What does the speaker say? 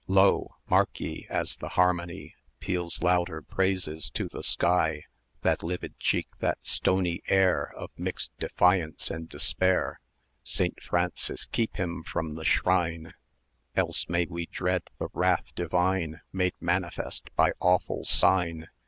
Lo! mark ye, as the harmony[dx] Peals louder praises to the sky, That livid cheek, that stony air Of mixed defiance and despair! Saint Francis, keep him from the shrine![dy] Else may we dread the wrath divine 910 Made manifest by awful sign.